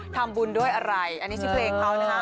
ทำบุญด้วยอะไรอันนี้ชื่อเพลงเขานะฮะ